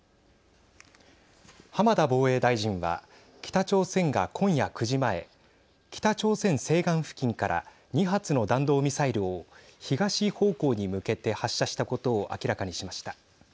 浜田防衛大臣は北朝鮮が今夜９時前北朝鮮西岸付近から２発の弾道ミサイルを東方向に向けて発射したことを明らかにしました。